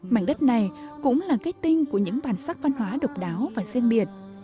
mảnh đất này cũng là kết tinh của những bản sắc văn hóa độc đáo và riêng biệt